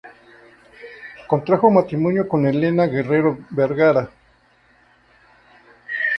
Contrajo matrimonio con Elena Guerrero Vergara.